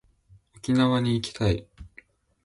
沖縄に行きたい